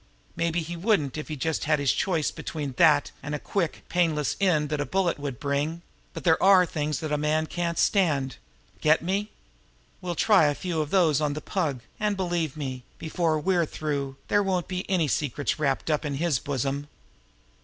Maybe he wouldn't if he just had his choice between that and the quick, painless end that a bullet would bring; but there are some things that a man can't stand. Get me? We'll try a few of those on the Pug, and, believe me, before we're through, there won't be any secrets wrapped up in his bosom."